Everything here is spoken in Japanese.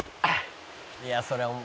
「いやそれはもう」